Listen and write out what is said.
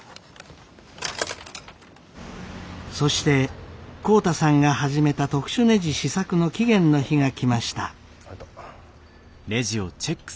そして浩太さんが始めた特殊ねじ試作の期限の日が来ました。